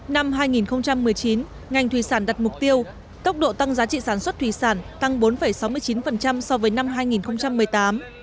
năm hai nghìn một mươi chín ngành thủy sản đặt mục tiêu tốc độ tăng giá trị sản xuất thủy sản tăng bốn sáu mươi chín so với năm hai nghìn một mươi tám